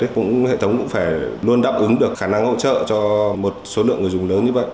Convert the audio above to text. hệ thống cũng phải luôn đáp ứng được khả năng hỗ trợ cho một số lượng người dùng lớn như vậy